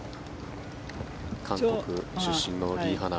韓国出身のリ・ハナ。